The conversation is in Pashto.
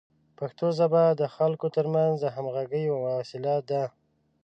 پښتو ژبه د خلکو ترمنځ د همغږۍ یوه وسیله ده.